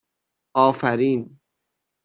آفرین